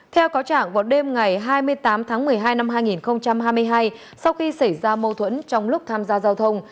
theo cáo trạng vào đêm ngày hai mươi tám tháng một mươi hai năm hai nghìn hai mươi hai sau khi xảy ra mâu thuẫn trong lúc tham gia giao thông